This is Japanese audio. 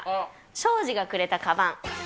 庄司がくれたかばん。